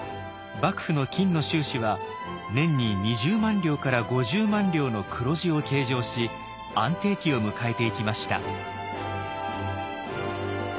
幕府の金の収支は年に２０万両から５０万両の黒字を計上し安定期を迎えていきました。